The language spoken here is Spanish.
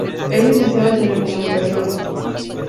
Es licenciado en Telecomunicaciones.